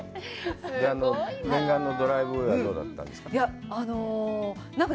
念願のドライブウェイはどうだったんですか。